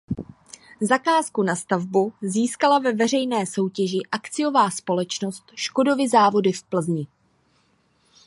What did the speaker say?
Zakázku na stavbu získala ve veřejné soutěži akciová společnost Škodovy závody v Plzni.